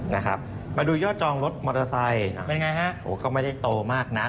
นะครับมาดูยอดจองรถมอเตอร์ไซค์โหก็ไม่ได้โตมากนัก